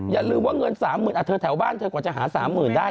อย่าลืมว่าเงิน๓๐๐๐เธอแถวบ้านเธอกว่าจะหา๓๐๐๐ได้